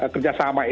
kerjasama itu ya